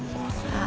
ああ。